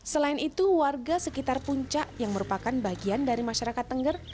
selain itu warga sekitar puncak yang merupakan bagian dari masyarakat tengger